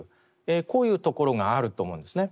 こういうところがあると思うんですね。